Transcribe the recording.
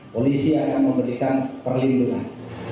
polisi akan memberikan perlindungan